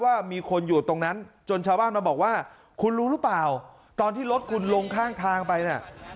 ว่ามีคนอยู่ตรงนั้นจนชาวบ้านมาบอกว่าคุณรู้หรือเปล่าตอนที่รถคุณลงข้างทางไปน่ะ